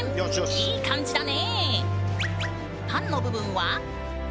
いい感じだね！